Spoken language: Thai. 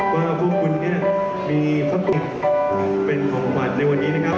ว่าพวกคุณเนี่ยมีพระคุณเป็นของประวัติในวันนี้นะครับ